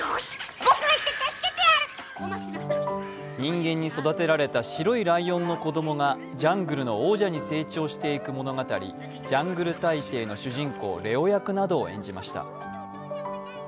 人間に育てられた白いライオンの子供がジャングルの王者に成長していく物語、「ジャングル大帝」の主人公・レオ役などを演じました。